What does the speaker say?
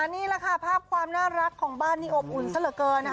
นี่แหละค่ะภาพความน่ารักของบ้านนี้อบอุ่นซะเหลือเกินนะคะ